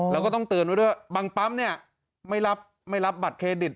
แล้วก็ต้องเตือนไว้ด้วยบางปั๊มเนี่ยไม่รับไม่รับบัตรเครดิต